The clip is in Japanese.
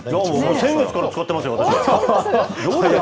先月から使ってますよ、私は。